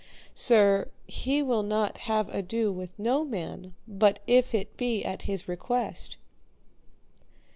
Sir, he will not have ado with no man but if it be at his request.